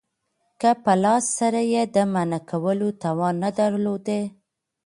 که په لاس سره ئې د منعه کولو توان نه درلودي